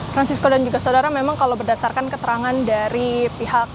francisco dan juga saudara memang kalau berdasarkan keterangan dari pihak